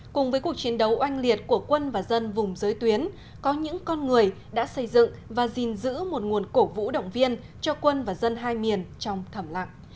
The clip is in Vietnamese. cùng với cuộc chiến đấu oanh liệt của quân và dân vùng giới tuyến có những con người đã xây dựng và gìn giữ một nguồn cổ vũ động viên cho quân và dân hai miền trong thẩm lặng